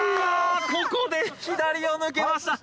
ここで左を抜けました